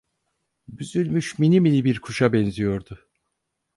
Büzülmüş minimini bir kuşa benziyordu.